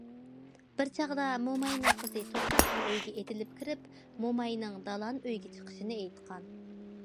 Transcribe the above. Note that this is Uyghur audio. بىر چاغدا موماينىڭ قىزى توساتتىن ئۆيگە ئېتىلىپ كىرىپ موماينىڭ دالان ئۆيگە چىقىشىنى ئېيتقان.